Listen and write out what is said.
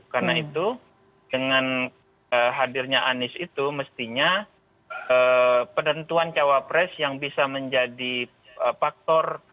karena itu dengan hadirnya anies itu mestinya penentuan capres yang bisa menjadi faktor